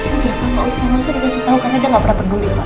udah gak usah lo saya kasih tau karena dia gak pernah peduli lo